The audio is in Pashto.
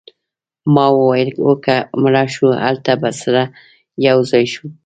ما وویل هو که مړه شوو هلته به سره یوځای شو